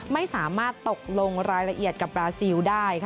ไม่สามารถตกลงรายละเอียดกับบราซิลได้